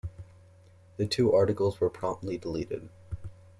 The two articles were promptly deleted.